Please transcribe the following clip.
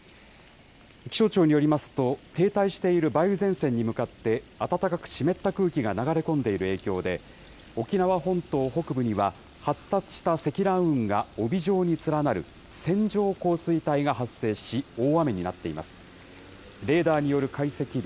気象庁によりますと、停滞している梅雨前線に向かって暖かく湿った空気が流れ込んでいる影響で、沖縄本島北部には、発達した積乱雲が帯状に連なる線状降水帯が発生し、大雨になっています。